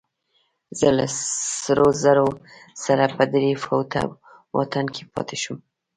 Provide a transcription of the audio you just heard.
زه له سرو زرو سره په درې فوټه واټن کې پاتې شوم.